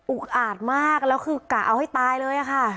อาจมากแล้วคือกะเอาให้ตายเลยค่ะ